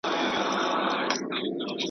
په تقوا به وي مشهور په ولایت کي .